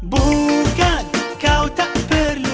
bukan kau tak perlu